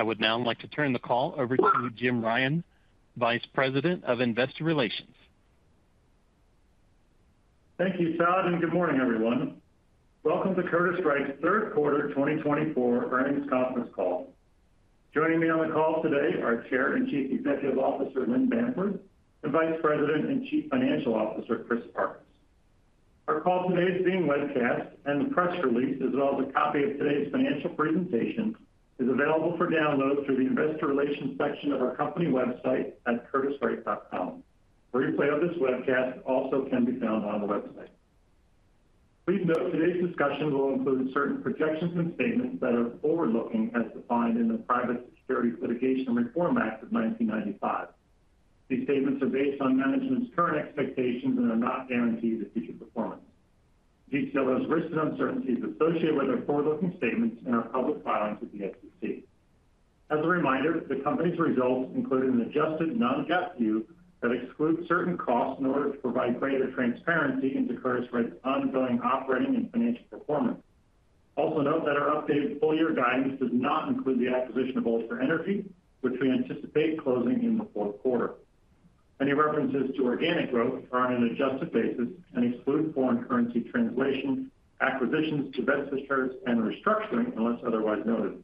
I would now like to turn the call over to Jim Ryan, Vice President of Investor Relations. Thank you, Todd, and good morning, everyone. Welcome to Curtiss-Wright's Q3 2024 Earnings Conference Call. Joining me on the call today are Chair and Chief Executive Officer Lynn Bamford and Vice President and Chief Financial Officer Chris Farkas. Our call today is being webcast, and the press release, as well as a copy of today's financial presentation, is available for download through the Investor Relations section of our company website at curtisswright.com. A replay of this webcast also can be found on the website. Please note today's discussion will include certain projections and statements that are forward-looking, as defined in the Private Securities Litigation Reform Act of 1995. These statements are based on management's current expectations and are not guaranteed a future performance. Please see all those risks and uncertainties associated with our forward-looking statements in our public filings with the SEC. As a reminder, the company's results include an adjusted non-GAAP view that excludes certain costs in order to provide greater transparency into Curtiss-Wright's ongoing operating and financial performance. Also note that our updated full-year guidance does not include the acquisition of Ultra Energy, which we anticipate closing in the Q4. Any references to organic growth are on an adjusted basis and exclude foreign currency translation, acquisitions to benefit shares, and restructuring unless otherwise noted.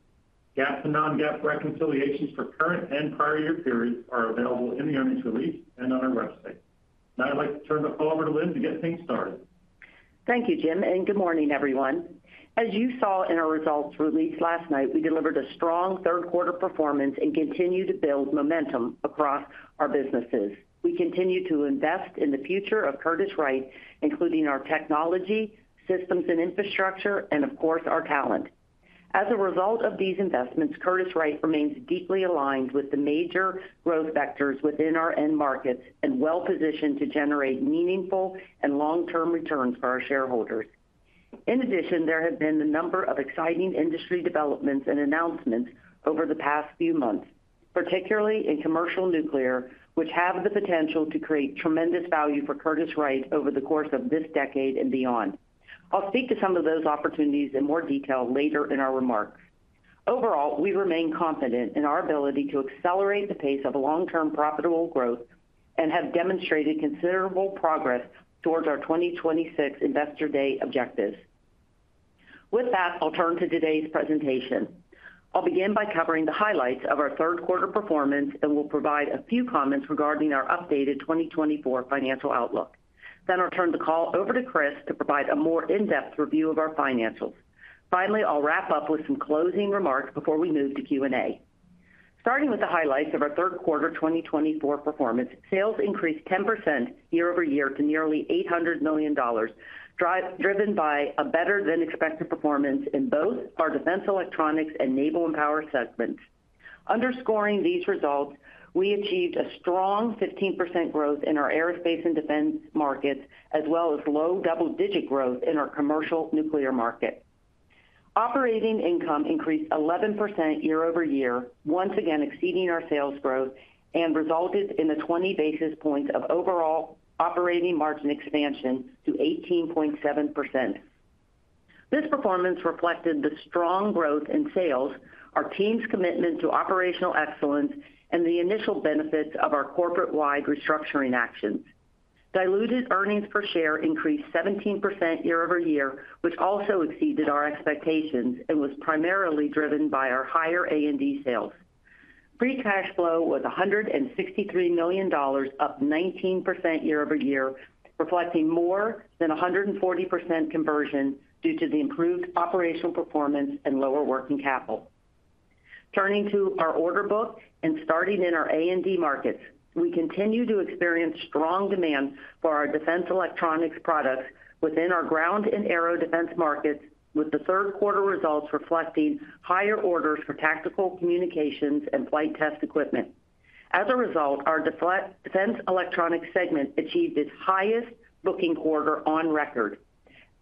GAAP and non-GAAP reconciliations for current and prior-year periods are available in the earnings release and on our website. Now I'd like to turn the call over to Lynn to get things started. Thank you, Jim, and good morning, everyone. As you saw in our results released last night, we delivered a strong third-quarter performance and continue to build momentum across our businesses. We continue to invest in the future of Curtiss-Wright, including our technology, systems, and infrastructure, and of course, our talent. As a result of these investments, Curtiss-Wright remains deeply aligned with the major growth vectors within our end markets and well-positioned to generate meaningful and long-term returns for our shareholders. In addition, there have been a number of exciting industry developments and announcements over the past few months, particularly in commercial nuclear, which have the potential to create tremendous value for Curtiss-Wright over the course of this decade and beyond. I'll speak to some of those opportunities in more detail later in our remarks. Overall, we remain confident in our ability to accelerate the pace of long-term profitable growth and have demonstrated considerable progress towards our 2026 Investor Day objectives. With that, I'll turn to today's presentation. I'll begin by covering the highlights of our Q3 performance and will provide a few comments regarding our updated 2024 financial outlook. Then I'll turn the call over to Chris to provide a more in-depth review of our financials. Finally, I'll wrap up with some closing remarks before we move to Q&A. Starting with the highlights of our Q3 2024 performance, sales increased 10% year over year to nearly $800 million, driven by a better-than-expected performance in both our defense electronics and naval and power segments. Underscoring these results, we achieved a strong 15% growth in our aerospace and defense markets, as well as low double-digit growth in our commercial nuclear market. Operating income increased 11% year over year, once again exceeding our sales growth and resulted in the 20 basis points of overall operating margin expansion to 18.7%. This performance reflected the strong growth in sales, our team's commitment to operational excellence, and the initial benefits of our corporate-wide restructuring actions. Diluted earnings per share increased 17% year over year, which also exceeded our expectations and was primarily driven by our higher A&D sales. Free cash flow was $163 million, up 19% year over year, reflecting more than 140% conversion due to the improved operational performance and lower working capital. Turning to our order book and starting in our A&D markets, we continue to experience strong demand for our defense electronics products within our ground and aero defense markets, with the Q3 results reflecting higher orders for tactical communications and flight test equipment. As a result, our defense electronics segment achieved its highest booking quarter on record.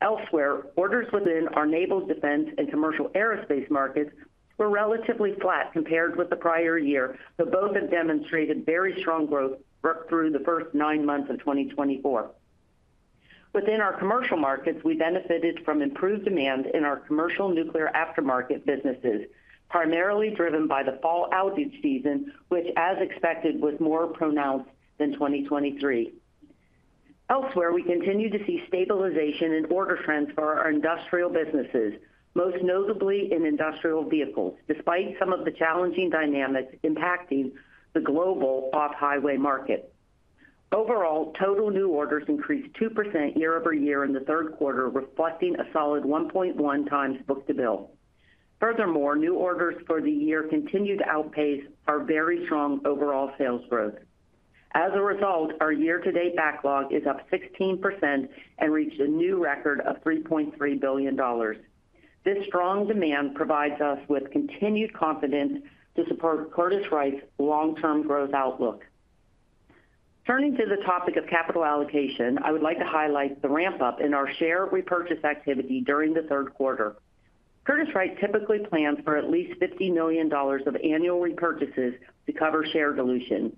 Elsewhere, orders within our naval, defense, and commercial aerospace markets were relatively flat compared with the prior year, but both have demonstrated very strong growth through the first nine months of 2024. Within our commercial markets, we benefited from improved demand in our commercial nuclear aftermarket businesses, primarily driven by the fall outage season, which, as expected, was more pronounced than 2023. Elsewhere, we continue to see stabilization in order transfer for our industrial businesses, most notably in industrial vehicles, despite some of the challenging dynamics impacting the global off-highway market. Overall, total new orders increased 2% year over year in the Q3, reflecting a solid 1.1 times book-to-bill. Furthermore, new orders for the year continued to outpace our very strong overall sales growth. As a result, our year-to-date backlog is up 16% and reached a new record of $3.3 billion. This strong demand provides us with continued confidence to support Curtiss-Wright's long-term growth outlook. Turning to the topic of capital allocation, I would like to highlight the ramp-up in our share repurchase activity during the Q3. Curtiss-Wright typically plans for at least $50 million of annual repurchases to cover share dilution.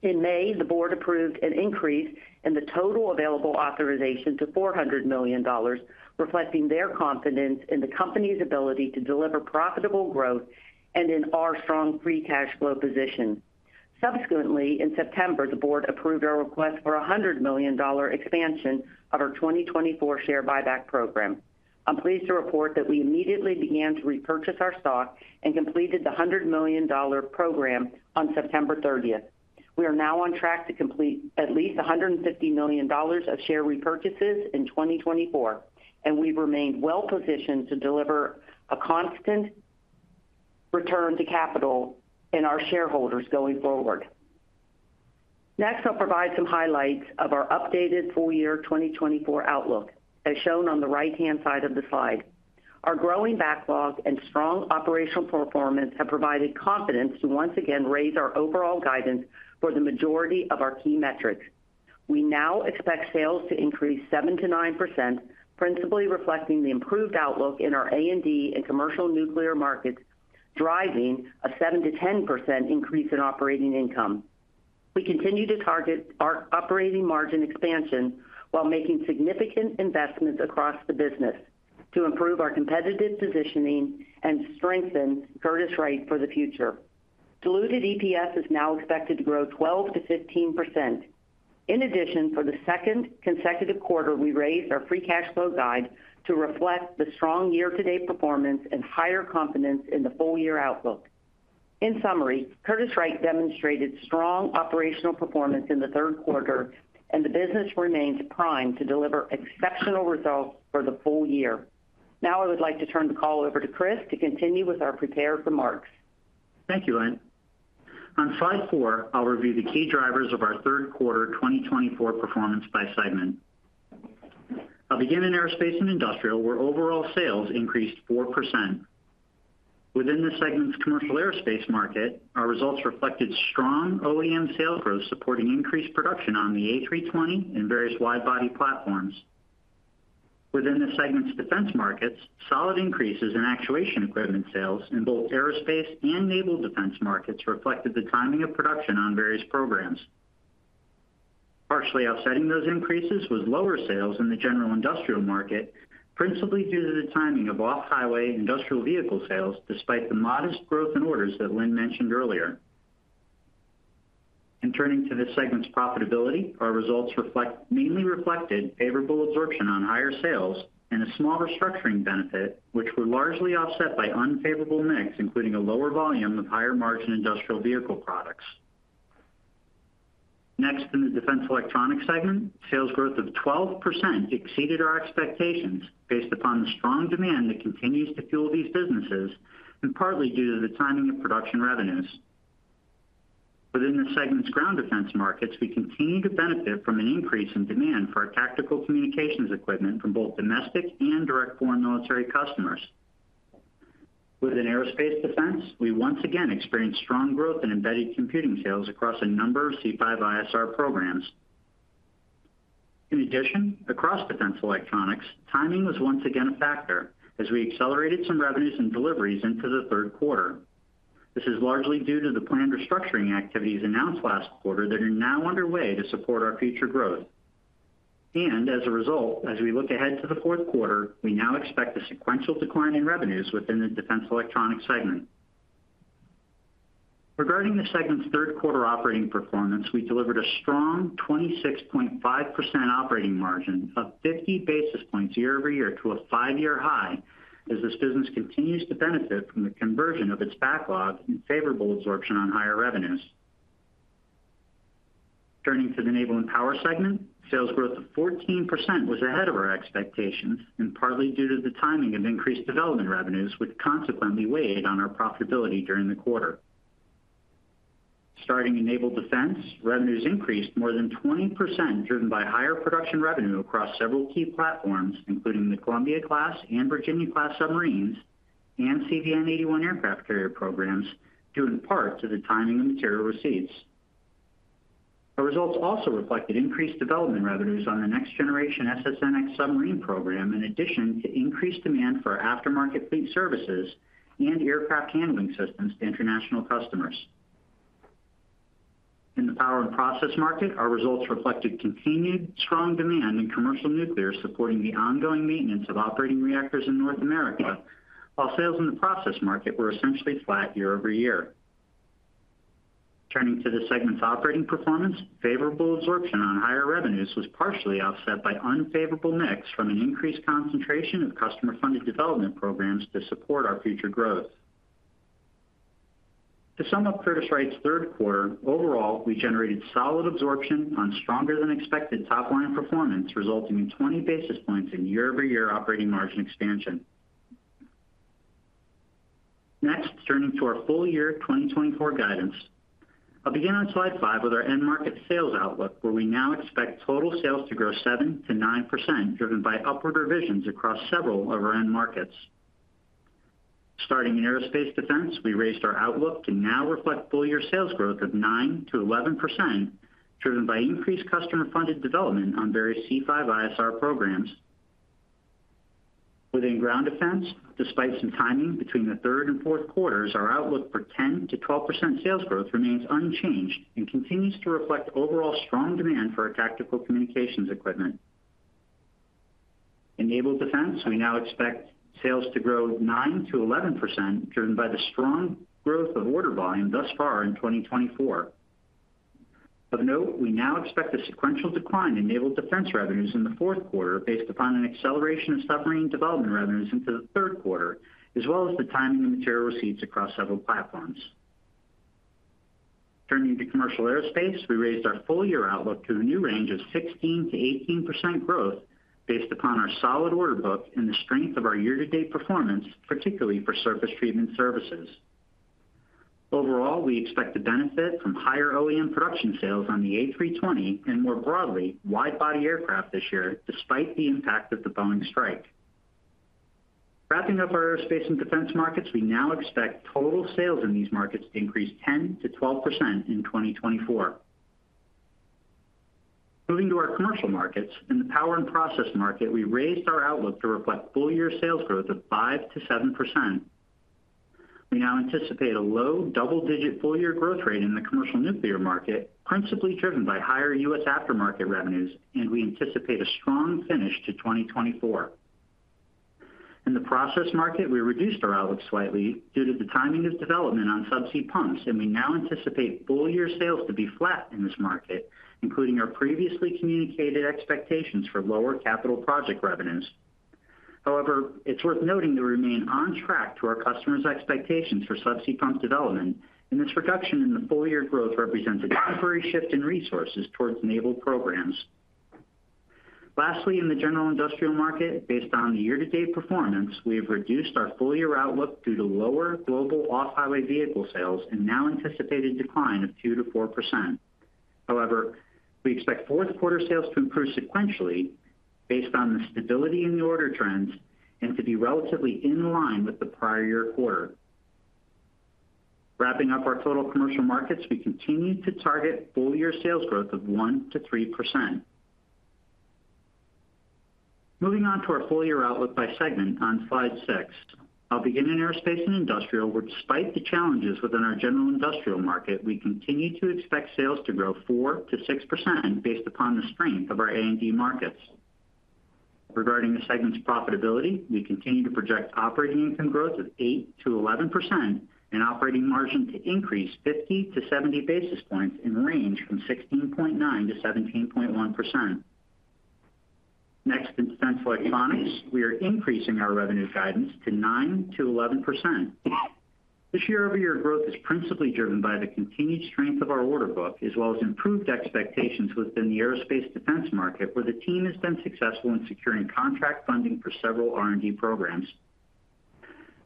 In May, the board approved an increase in the total available authorization to $400 million, reflecting their confidence in the company's ability to deliver profitable growth and in our strong free cash flow position. Subsequently, in September, the board approved our request for a $100 million expansion of our 2024 share buyback program. I'm pleased to report that we immediately began to repurchase our stock and completed the $100 million program on September 30. We are now on track to complete at least $150 million of share repurchases in 2024, and we've remained well-positioned to deliver a constant return to capital in our shareholders going forward. Next, I'll provide some highlights of our updated full-year 2024 outlook, as shown on the right-hand side of the slide. Our growing backlog and strong operational performance have provided confidence to once again raise our overall guidance for the majority of our key metrics. We now expect sales to increase 7% to 9%, principally reflecting the improved outlook in our A&D and commercial nuclear markets, driving a 7% to 10% increase in operating income. We continue to target our operating margin expansion while making significant investments across the business to improve our competitive positioning and strengthen Curtiss-Wright for the future. Diluted EPS is now expected to grow 12% to 15%. In addition, for the second consecutive quarter, we raised our free cash flow guide to reflect the strong year-to-date performance and higher confidence in the full-year outlook. In summary, Curtiss-Wright demonstrated strong operational performance in the Q3, and the business remains primed to deliver exceptional results for the full year. Now I would like to turn the call over to Chris to continue with our prepared remarks. Thank you, Lynn. On slide four, I'll review the key drivers of our Q3 2024 performance by segment. I'll begin in aerospace and industrial, where overall sales increased 4%. Within the segment's commercial aerospace market, our results reflected strong OEM sales growth, supporting increased production on the A320 and various wide-body platforms. Within the segment's defense markets, solid increases in actuation equipment sales in both aerospace and naval defense markets reflected the timing of production on various programs. Partially offsetting those increases was lower sales in the general industrial market, principally due to the timing of off-highway industrial vehicle sales, despite the modest growth in orders that Lynn mentioned earlier, and turning to the segment's profitability, our results mainly reflected favorable absorption on higher sales and a small restructuring benefit, which were largely offset by unfavorable mix, including a lower volume of higher-margin industrial vehicle products. Next, in the defense electronics segment, sales growth of 12% exceeded our expectations based upon the strong demand that continues to fuel these businesses, partly due to the timing of production revenues. Within the segment's ground defense markets, we continue to benefit from an increase in demand for our tactical communications equipment from both domestic and direct foreign military customers. Within aerospace defense, we once again experienced strong growth in embedded computing sales across a number of C5ISR programs. In addition, across defense electronics, timing was once again a factor as we accelerated some revenues and deliveries into the Q3. This is largely due to the planned restructuring activities announced last quarter that are now underway to support our future growth, and as a result, as we look ahead to the Q4, we now expect a sequential decline in revenues within the defense electronics segment. Regarding the segment's Q3 operating performance, we delivered a strong 26.5% operating margin of 50 basis points year over year to a five-year high as this business continues to benefit from the conversion of its backlog and favorable absorption on higher revenues. Turning to the naval and power segment, sales growth of 14% was ahead of our expectations, partly due to the timing of increased development revenues, which consequently weighed on our profitability during the quarter. Starting in naval defense, revenues increased more than 20%, driven by higher production revenue across several key platforms, including the Columbia-class and Virginia-class submarines and CVN-81 aircraft carrier programs, due in part to the timing of material receipts. Our results also reflected increased development revenues on the next-generation SSNX submarine program, in addition to increased demand for aftermarket fleet services and aircraft handling systems to international customers. In the power and process market, our results reflected continued strong demand in commercial nuclear, supporting the ongoing maintenance of operating reactors in North America, while sales in the process market were essentially flat year-over-year. Turning to the segment's operating performance, favorable absorption on higher revenues was partially offset by unfavorable mix from an increased concentration of customer-funded development programs to support our future growth. To sum up Curtiss-Wright's Q3, overall, we generated solid absorption on stronger-than-expected top-line performance, resulting in 20 basis points in year-over-year operating margin expansion. Next, turning to our full-year 2024 guidance, I'll begin on slide five with our end market sales outlook, where we now expect total sales to grow 7% to 9%, driven by upward revisions across several of our end markets. Starting in aerospace defense, we raised our outlook to now reflect full-year sales growth of 9%-11%, driven by increased customer-funded development on various C5ISR programs. Within ground defense, despite some timing between the third and Q4s, our outlook for 10%-12% sales growth remains unchanged and continues to reflect overall strong demand for our tactical communications equipment. In naval defense, we now expect sales to grow 9%-11%, driven by the strong growth of order volume thus far in 2024. Of note, we now expect a sequential decline in naval defense revenues in the Q4, based upon an acceleration of submarine development revenues into the Q3, as well as the timing of material receipts across several platforms. Turning to commercial aerospace, we raised our full-year outlook to a new range of 16%-18% growth, based upon our solid order book and the strength of our year-to-date performance, particularly for surface treatment services. Overall, we expect to benefit from higher OEM production sales on the A320 and, more broadly, wide-body aircraft this year, despite the impact of the Boeing strike. Wrapping up our aerospace and defense markets, we now expect total sales in these markets to increase 10%-12% in 2024. Moving to our commercial markets, in the power and process market, we raised our outlook to reflect full-year sales growth of 5%-7%. We now anticipate a low double-digit full-year growth rate in the commercial nuclear market, principally driven by higher U.S. aftermarket revenues, and we anticipate a strong finish to 2024. In the process market, we reduced our outlook slightly due to the timing of development on subsea pumps, and we now anticipate full-year sales to be flat in this market, including our previously communicated expectations for lower capital project revenues. However, it's worth noting that we remain on track to our customers' expectations for subsea pump development, and this reduction in the full-year growth represents a temporary shift in resources towards naval programs. Lastly, in the general industrial market, based on the year-to-date performance, we have reduced our full-year outlook due to lower global off-highway vehicle sales and now anticipated decline of 2%-4%. However, we expect fourth-quarter sales to improve sequentially, based on the stability in the order trends and to be relatively in line with the prior year quarter. Wrapping up our total commercial markets, we continue to target full-year sales growth of 1%-3%. Moving on to our full-year outlook by segment on slide six, I'll begin in aerospace and industrial, where, despite the challenges within our general industrial market, we continue to expect sales to grow 4%-6%, based upon the strength of our A&D markets. Regarding the segment's profitability, we continue to project operating income growth of 8%-11% and operating margin to increase 50 to 70 basis points in range from 16.9%-17.1%. Next, in defense electronics, we are increasing our revenue guidance to 9%-11%. This year-over-year growth is principally driven by the continued strength of our order book, as well as improved expectations within the aerospace defense market, where the team has been successful in securing contract funding for several R&D programs.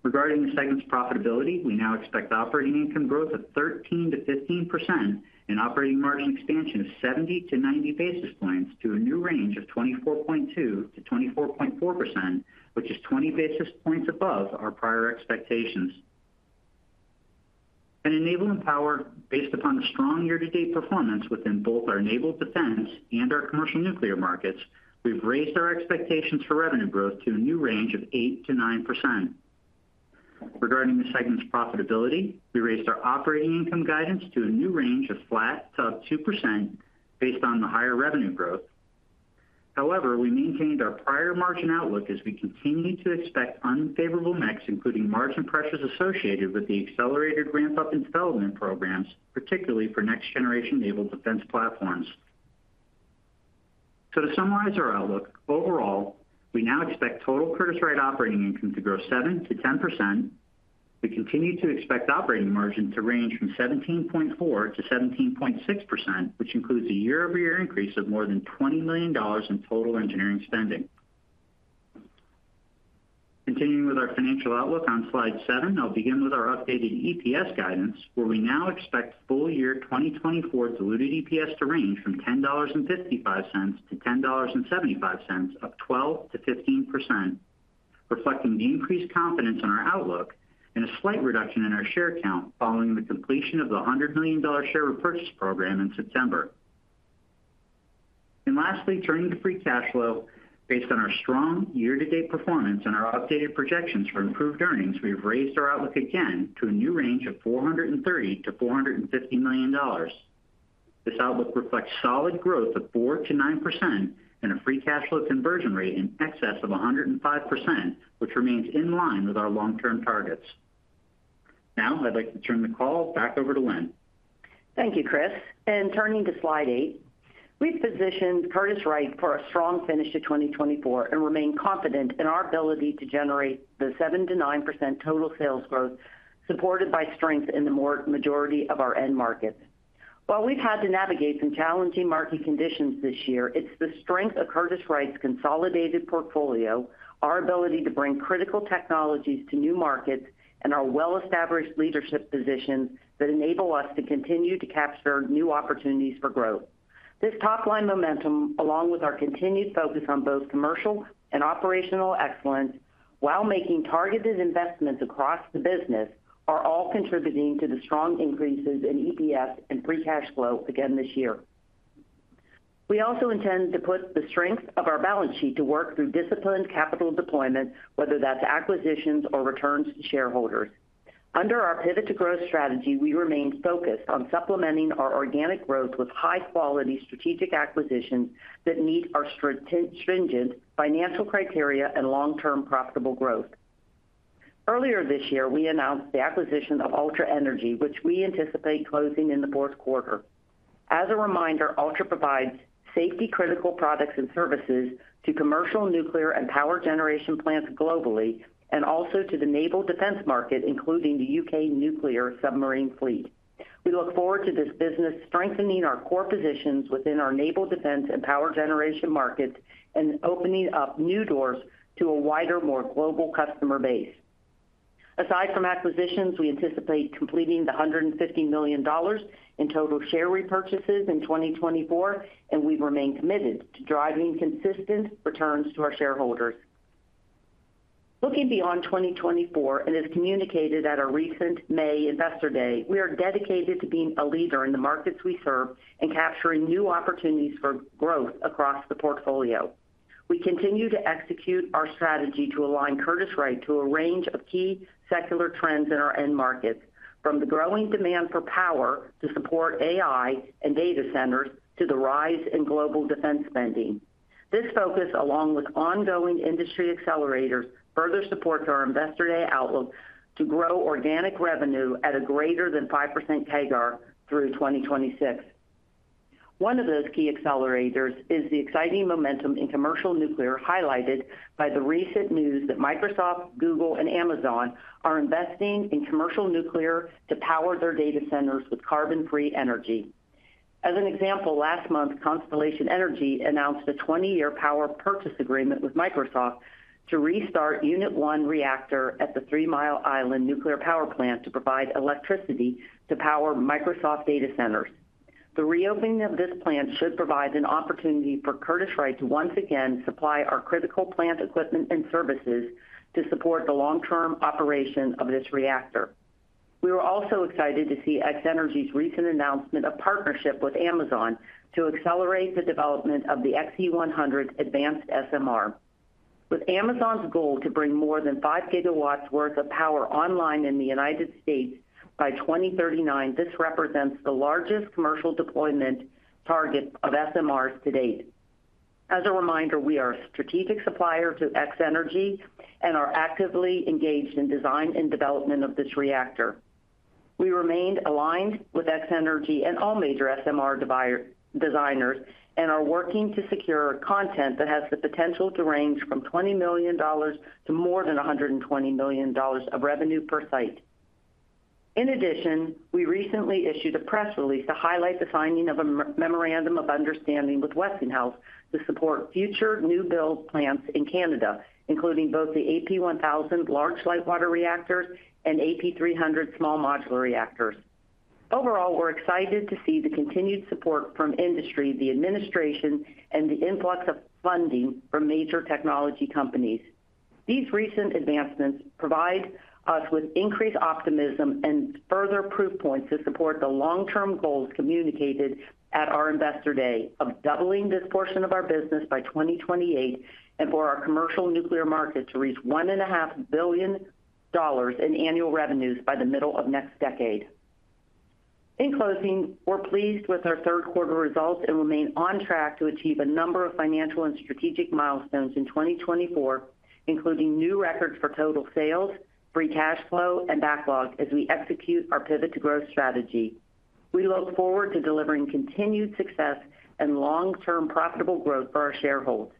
Regarding the segment's profitability, we now expect operating income growth of 13%-15% and operating margin expansion of 70 to 90 basis points to a new range of 24.2%-24.4%, which is 20 basis points above our prior expectations. In naval and power, based upon strong year-to-date performance within both our naval defense and our commercial nuclear markets, we've raised our expectations for revenue growth to a new range of 8%-9%. Regarding the segment's profitability, we raised our operating income guidance to a new range of flat to 2%, based on the higher revenue growth. However, we maintained our prior margin outlook as we continue to expect unfavorable mix, including margin pressures associated with the accelerated ramp-up and development programs, particularly for next-generation naval defense platforms. So, to summarize our outlook, overall, we now expect total Curtiss-Wright operating income to grow 7%-10%. We continue to expect operating margin to range from 17.4%-17.6%, which includes a year-over-year increase of more than $20 million in total engineering spending. Continuing with our financial outlook on slide seven, I'll begin with our updated EPS guidance, where we now expect full-year 2024 diluted EPS to range from $10.55-10.75, up 12%-15%, reflecting the increased confidence in our outlook and a slight reduction in our share count following the completion of the $100 million share repurchase program in September. Lastly, turning to free cash flow, based on our strong year-to-date performance and our updated projections for improved earnings, we have raised our outlook again to a new range of $430-450 million. This outlook reflects solid growth of 4%-9% and a free cash flow conversion rate in excess of 105%, which remains in line with our long-term targets. Now, I'd like to turn the call back over to Lynn. Thank you, Chris. And turning to slide eight, we've positioned Curtiss-Wright for a strong finish to 2024 and remain confident in our ability to generate the 7%-9% total sales growth, supported by strength in the majority of our end markets. While we've had to navigate some challenging market conditions this year, it's the strength of Curtiss-Wright's consolidated portfolio, our ability to bring critical technologies to new markets, and our well-established leadership positions that enable us to continue to capture new opportunities for growth. This top-line momentum, along with our continued focus on both commercial and operational excellence while making targeted investments across the business, are all contributing to the strong increases in EPS and free cash flow again this year. We also intend to put the strength of our balance sheet to work through disciplined capital deployment, whether that's acquisitions or returns to shareholders. Under our pivot to growth strategy, we remain focused on supplementing our organic growth with high-quality strategic acquisitions that meet our stringent financial criteria and long-term profitable growth. Earlier this year, we announced the acquisition of Ultra Energy, which we anticipate closing in Q4. As a reminder, Ultra provides safety-critical products and services to commercial nuclear and power generation plants globally and also to the naval defense market, including the U.K. nuclear submarine fleet. We look forward to this business strengthening our core positions within our naval defense and power generation markets and opening up new doors to a wider, more global customer base. Aside from acquisitions, we anticipate completing the $150 million in total share repurchases in 2024, and we remain committed to driving consistent returns to our shareholders. Looking beyond 2024, as communicated at our recent May Investor Day, we are dedicated to being a leader in the markets we serve and capturing new opportunities for growth across the portfolio. We continue to execute our strategy to align Curtiss-Wright to a range of key secular trends in our end markets, from the growing demand for power to support AI and data centers to the rise in global defense spending. This focus, along with ongoing industry accelerators, further supports our Investor Day outlook to grow organic revenue at a greater than 5% CAGR through 2026. One of those key accelerators is the exciting momentum in commercial nuclear highlighted by the recent news that Microsoft, Google, and Amazon are investing in commercial nuclear to power their data centers with carbon-free energy. As an example, last month, Constellation Energy announced a 20-year power purchase agreement with Microsoft to restart Unit 1 reactor at the Three Mile Island Nuclear Power Plant to provide electricity to power Microsoft data centers. The reopening of this plant should provide an opportunity for Curtiss-Wright to once again supply our critical plant equipment and services to support the long-term operation of this reactor. We were also excited to see X-Energy's recent announcement of partnership with Amazon to accelerate the development of the XE100 Advanced SMR. With Amazon's goal to bring more than five gigawatts worth of power online in the United States by 2039, this represents the largest commercial deployment target of SMRs to date. As a reminder, we are a strategic supplier to X-Energy and are actively engaged in design and development of this reactor. We remained aligned with X-Energy and all major SMR designers and are working to secure content that has the potential to range from $20 to more than 120 million of revenue per site. In addition, we recently issued a press release to highlight the signing of a memorandum of understanding with Westinghouse to support future new build plants in Canada, including both the AP1000 large light water reactors and AP300 small modular reactors. Overall, we're excited to see the continued support from industry, the administration, and the influx of funding from major technology companies. These recent advancements provide us with increased optimism and further proof points to support the long-term goals communicated at our Investor Day of doubling this portion of our business by 2028 and for our commercial nuclear market to reach $1.5 billion in annual revenues by the middle of next decade. In closing, we're pleased with our third-quarter results and remain on track to achieve a number of financial and strategic milestones in 2024, including new records for total sales, free cash flow, and backlog as we execute our pivot to growth strategy. We look forward to delivering continued success and long-term profitable growth for our shareholders.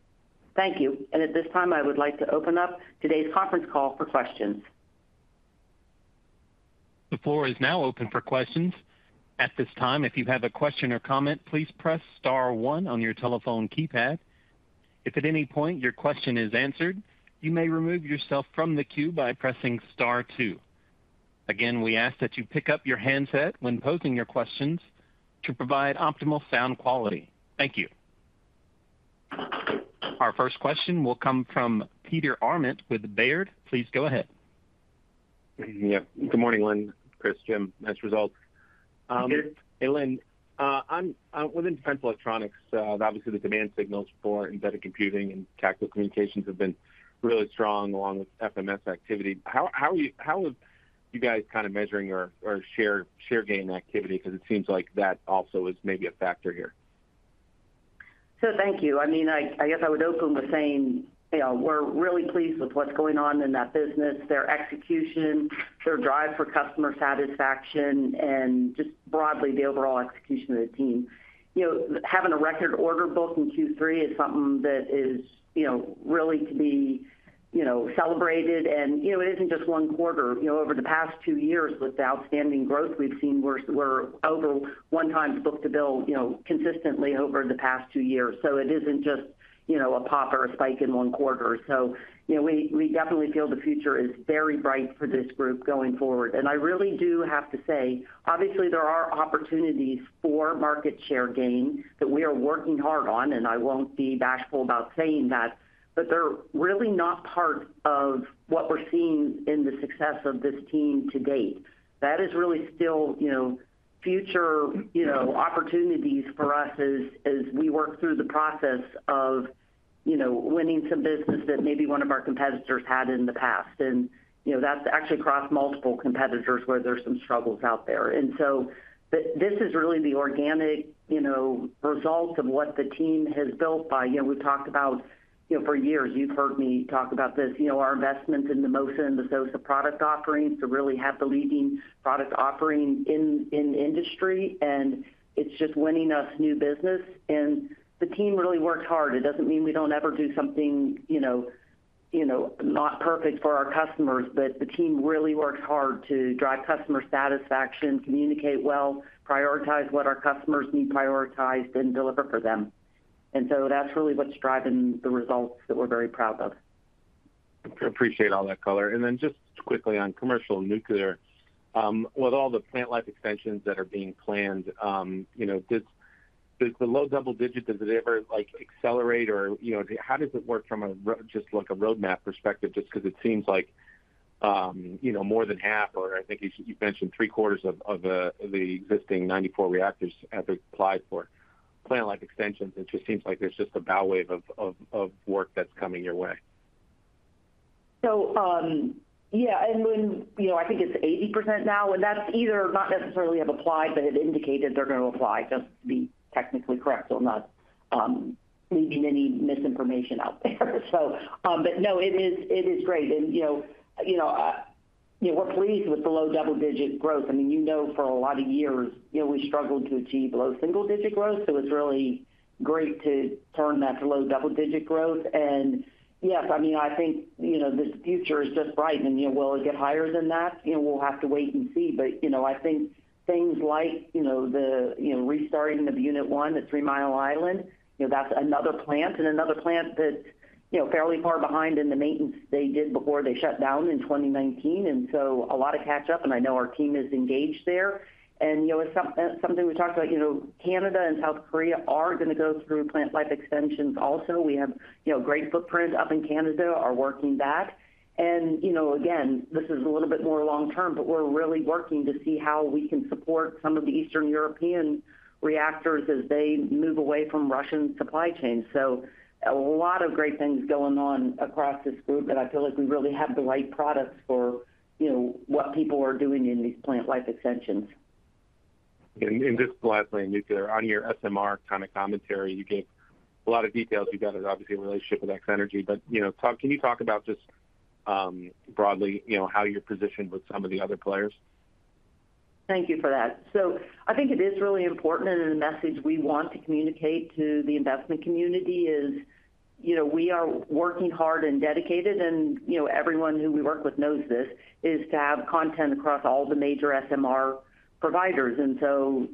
Thank you. And at this time, I would like to open up today's conference call for questions. The floor is now open for questions. At this time, if you have a question or comment, please press star one on your telephone keypad. If at any point your question is answered, you may remove yourself from the queue by pressing star two. Again, we ask that you pick up your handset when posing your questions to provide optimal sound quality. Thank you. Our first question will come from Peter Arment with Baird. Please go ahead. Yeah. Good morning, Lynn, Chris, Jim. Nice results. Hey, Lynn. Within defense electronics, obviously, the demand signals for embedded computing and tactical communications have been really strong along with FMS activity. How have you guys kind of measuring your share gain activity? Because it seems like that also is maybe a factor here. So thank you. I mean, I guess I would open with saying we're really pleased with what's going on in that business, their execution, their drive for customer satisfaction, and just broadly the overall execution of the team. Having a record order book in Q3 is something that is really to be celebrated. And it isn't just one quarter. Over the past two years, with the outstanding growth we've seen, we're over 1:1 book-to-bill consistently over the past two years. So it isn't just a pop or a spike in one quarter. So we definitely feel the future is very bright for this group going forward. I really do have to say, obviously, there are opportunities for market share gain that we are working hard on, and I won't be bashful about saying that, but they're really not part of what we're seeing in the success of this team to date. That is really still future opportunities for us as we work through the process of winning some business that maybe one of our competitors had in the past. That's actually across multiple competitors where there's some struggles out there. So this is really the organic result of what the team has built by. We've talked about for years, you've heard me talk about this, our investments in the MOSA and the SOSA product offerings to really have the leading product offering in the industry. It's just winning us new business. The team really works hard. It doesn't mean we don't ever do something not perfect for our customers, but the team really works hard to drive customer satisfaction, communicate well, prioritize what our customers need prioritized, and deliver for them. And so that's really what's driving the results that we're very proud of. Appreciate all that, caller. And then just quickly on commercial nuclear, with all the plant life extensions that are being planned, does the low double digit, does it ever accelerate? Or how does it work from just a roadmap perspective? Just because it seems like more than half, or I think you mentioned three quarters of the existing 94 reactors have applied for plant life extensions. It just seems like there's just a bow wave of work that's coming your way. So yeah. And I think it's 80% now. And that's either not necessarily have applied, but it indicated they're going to apply just to be technically correct on that, leaving any misinformation out there. But no, it is great. And we're pleased with the low double digit growth. I mean, you know for a lot of years, we struggled to achieve low single digit growth. So it's really great to turn that to low double digit growth. And yes, I mean, I think the future is just bright. And will it get higher than that? We'll have to wait and see. But I think things like the restarting of Unit 1, the Three Mile Island, that's another plant and another plant that's fairly far behind in the maintenance they did before they shut down in 2019. And so a lot of catch-up. And I know our team is engaged there. Something we talked about, Canada and South Korea are going to go through plant life extensions also. We have great footprint up in Canada, are working that. And again, this is a little bit more long-term, but we're really working to see how we can support some of the Eastern European reactors as they move away from Russian supply chains. So a lot of great things going on across this group, and I feel like we really have the right products for what people are doing in these plant life extensions. Just the last thing, nuclear, on your SMR kind of commentary, you gave a lot of details. You've got obviously a relationship with X-Energy. But can you talk about just broadly how you're positioned with some of the other players? Thank you for that. So I think it is really important, and the message we want to communicate to the investment community is we are working hard and dedicated, and everyone who we work with knows this, is to have content across all the major SMR providers. And so,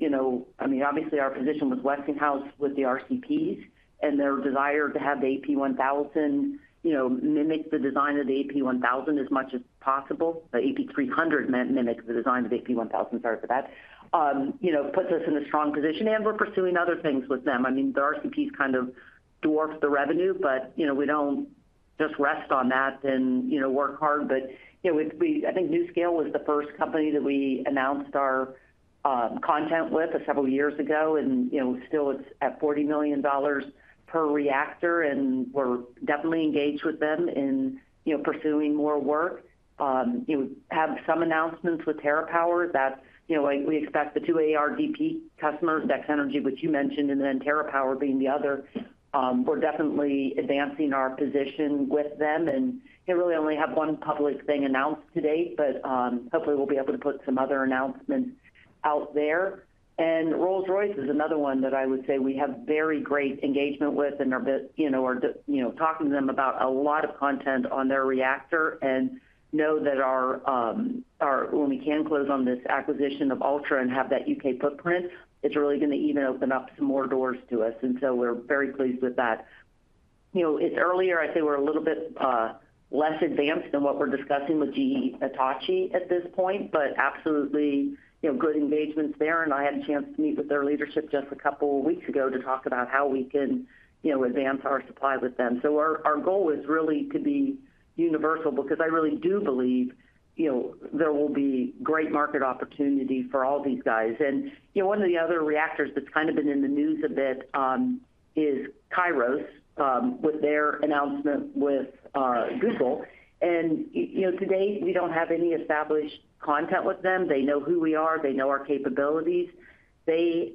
I mean, obviously, our position with Westinghouse with the RCPs and their desire to have the AP1000 mimic the design of the AP1000 as much as possible. The AP300 mimics the design of the AP1000. Sorry for that. It puts us in a strong position, and we're pursuing other things with them. I mean, the RCPs kind of dwarf the revenue, but we don't just rest on that and work hard. But I think NuScale was the first company that we announced our content with several years ago. And still, it's at $40 million per reactor, and we're definitely engaged with them in pursuing more work. We have some announcements with TerraPower that we expect the two ARDP customers, X-Energy, which you mentioned, and then TerraPower being the other. We're definitely advancing our position with them. And we really only have one public thing announced to date, but hopefully, we'll be able to put some other announcements out there. And Rolls-Royce is another one that I would say we have very great engagement with and are talking to them about a lot of content on their reactor. And know that when we can close on this acquisition of Ultra and have that U.K. footprint, it's really going to even open up some more doors to us. And so we're very pleased with that. Earlier, I say we're a little bit less advanced than what we're discussing with GE Hitachi at this point, but absolutely good engagements there, and I had a chance to meet with their leadership just a couple of weeks ago to talk about how we can advance our supply with them, so our goal is really to be universal because I really do believe there will be great market opportunity for all these guys, and one of the other reactors that's kind of been in the news a bit is Kairos with their announcement with Google, and to date, we don't have any established content with them. They know who we are. They know our capabilities, and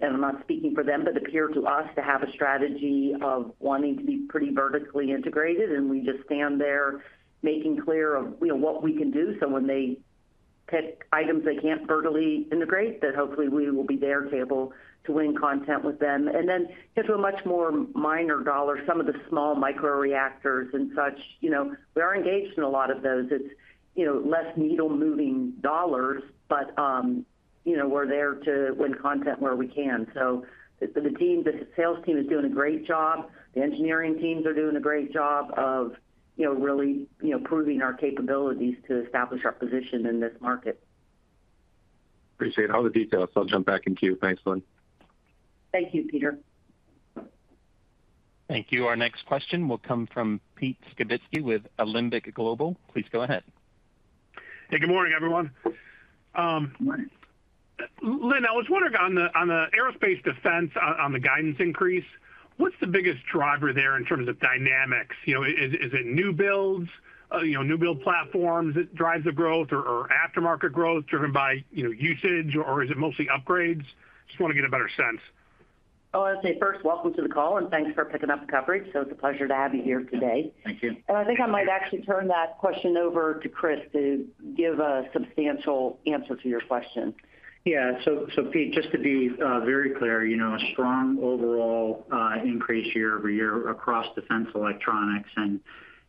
I'm not speaking for them, but it appears to us to have a strategy of wanting to be pretty vertically integrated, and we just stand there making clear of what we can do. So when they pick items they can't vertically integrate, then hopefully, we will be their go-to to win content with them. And then to a much more minor dollar, some of the small modular reactors and such, we are engaged in a lot of those. It's less needle-moving dollars, but we're there to win content where we can. So the sales team is doing a great job. The engineering teams are doing a great job of really proving our capabilities to establish our position in this market. Appreciate all the details. I'll jump back to you. Thanks, Lynn. Thank you, Peter. Thank you. Our next question will come from Peter Skibitsky with Alembic Global. Please go ahead. Hey, good morning, everyone. Lynn, I was wondering on the aerospace defense, on the guidance increase, what's the biggest driver there in terms of dynamics? Is it new builds, new build platforms that drive the growth or aftermarket growth driven by usage, or is it mostly upgrades? Just want to get a better sense. Oh, I'd say first, welcome to the call, and thanks for picking up the coverage, so it's a pleasure to have you here today. Thank you. I think I might actually turn that question over to Chris to give a substantial answer to your question. Yeah, so Pete, just to be very clear, a strong overall increase year over year across defense electronics, and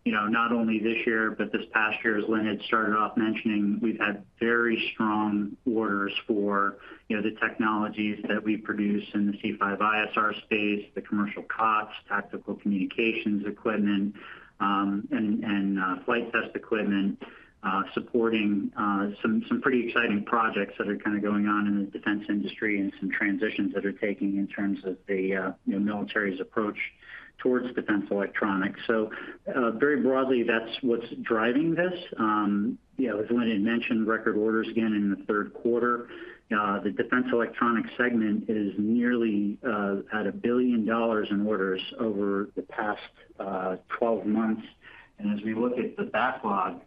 not only this year, but this past year, as Lynn had started off mentioning, we've had very strong orders for the technologies that we produce in the C5ISR space, the commercial COTS, tactical communications equipment, and flight test equipment, supporting some pretty exciting projects that are kind of going on in the defense industry and some transitions that are taking in terms of the military's approach towards defense electronics, so very broadly, that's what's driving this. As Lynn had mentioned, record orders again in Q3. The defense electronics segment is nearly at $1 billion in orders over the past 12 months, and as we look at the backlog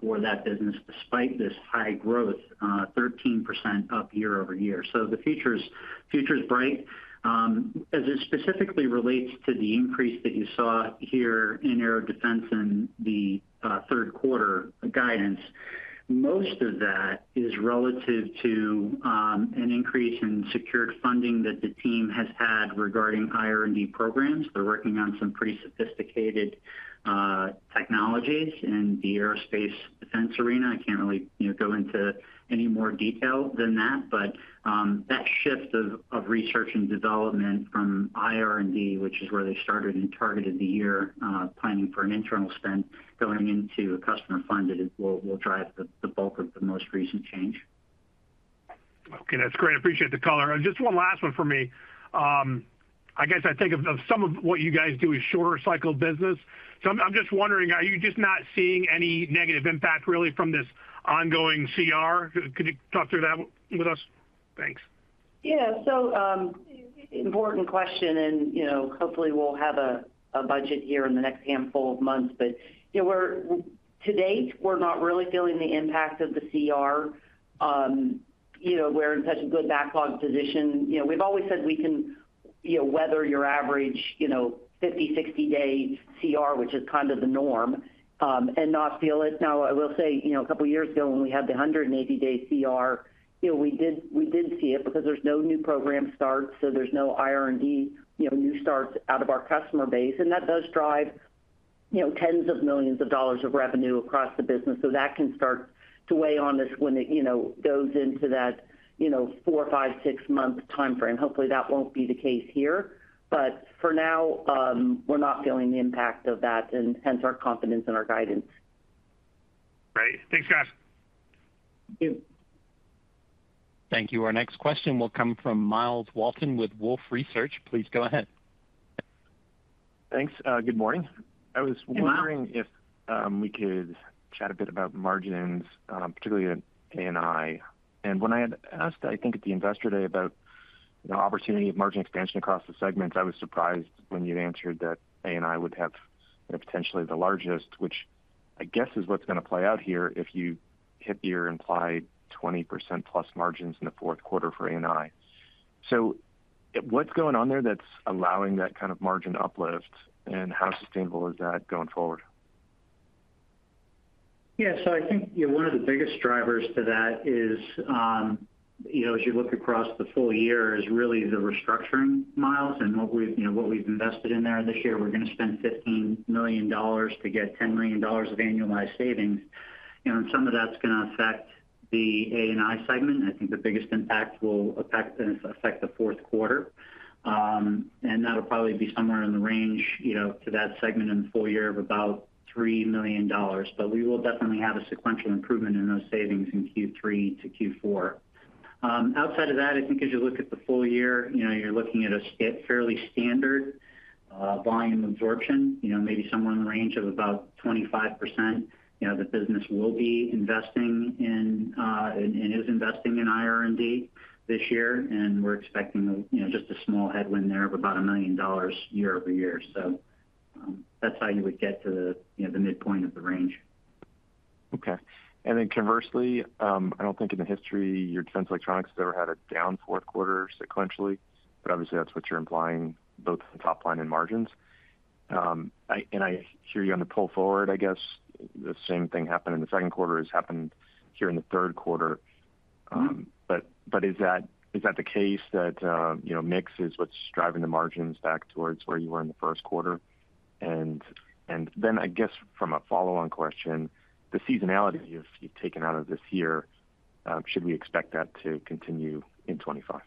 for that business, despite this high growth, 13% up year over year, so the future is bright. As it specifically relates to the increase that you saw here in Aerospace Defense in Q3 guidance, most of that is relative to an increase in secured funding that the team has had regarding IR&D programs. They're working on some pretty sophisticated technologies in the aerospace defense arena. I can't really go into any more detail than that. But that shift of research and development from IR&D, which is where they started and targeted the year, planning for an internal spend going into a customer funded, will drive the bulk of the most recent change. Okay. That's great. Appreciate the color. Just one last one for me. I guess I think of some of what you guys do as shorter cycle business. So I'm just wondering, are you just not seeing any negative impact really from this ongoing CR? Could you talk through that with us? Thanks. Yeah. So important question. And hopefully, we'll have a budget here in the next handful of months. But to date, we're not really feeling the impact of the CR. We're in such a good backlog position. We've always said we can weather your average 50, 60-day CR, which is kind of the norm, and not feel it. Now, I will say a couple of years ago when we had the 180-day CR, we did see it because there's no new program starts. So there's no IR&D new starts out of our customer base. And that does drive tens of millions of dollars of revenue across the business. So that can start to weigh on us when it goes into that four, five, six-month timeframe. Hopefully, that won't be the case here. But for now, we're not feeling the impact of that, and hence our confidence in our guidance. Great. Thanks, guys. Thank you. Our next question will come from Myles Walton with Wolfe Research. Please go ahead. Thanks. Good morning. I was wondering if we could chat a bit about margins, particularly in A&I. And when I had asked, I think, at the investor day about the opportunity of margin extension across the segments, I was surprised when you answered that A&I would have potentially the largest, which I guess is what's going to play out here if you hit your implied 20% plus margins in Q4 for A&I. So what's going on there that's allowing that kind of margin uplift? And how sustainable is that going forward? Yeah. So I think one of the biggest drivers to that is, as you look across the full year, is really the restructuring in the A&I and what we've invested in there this year. We're going to spend $15 to get 10 million of annualized savings. And some of that's going to affect the A&I segment. I think the biggest impact will affect Q4. And that'll probably be somewhere in the range to that segment in the full year of about $3 million. But we will definitely have a sequential improvement in those savings in Q3 to Q4. Outside of that, I think as you look at the full year, you're looking at a fairly standard volume absorption, maybe somewhere in the range of about 25%. The business will be investing in and is investing in IR&D this year. We're expecting just a small headwind there of about $1 million year over year. That's how you would get to the midpoint of the range. Okay. And then conversely, I don't think in the history your defense electronics has ever had a down Q4 sequentially. But obviously, that's what you're implying, both top line and margins. And I hear you on the pull forward, I guess. The same thing happened in the second quarter has happened here in the Q3. But is that the case that mix is what's driving the margins back towards where you were in the first quarter? And then I guess from a follow-on question, the seasonality you've taken out of this year, should we expect that to continue in 2025?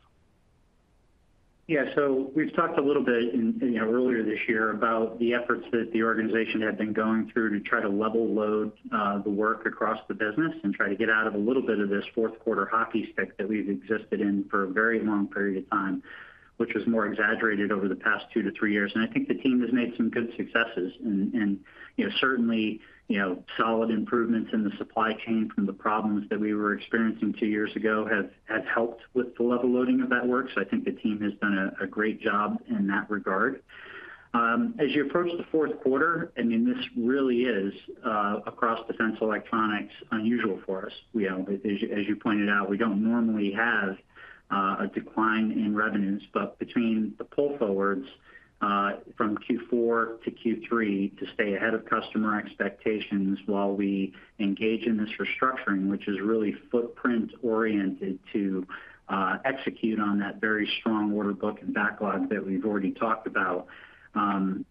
Yeah. So we've talked a little bit earlier this year about the efforts that the organization had been going through to try to level load the work across the business and try to get out of a little bit of this Q4 hockey stick that we've existed in for a very long period of time, which was more exaggerated over the past two to three years, and I think the team has made some good successes, and certainly, solid improvements in the supply chain from the problems that we were experiencing two years ago have helped with the level loading of that work, so I think the team has done a great job in that regard. As you approach the Q4, I mean, this really is, across defense electronics, unusual for us. As you pointed out, we don't normally have a decline in revenues. But between the pull forwards from Q4 to Q3 to stay ahead of customer expectations while we engage in this restructuring, which is really footprint-oriented to execute on that very strong order book and backlog that we've already talked about,